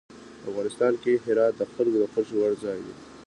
افغانستان کې هرات د خلکو د خوښې وړ ځای دی.